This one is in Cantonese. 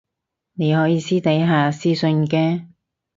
你可以私底下私訊嘅